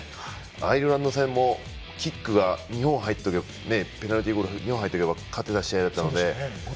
アイルランド戦もペナルティーゴールが２本入っていれば勝てた試合だったので。